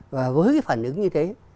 và với phản ứng như thế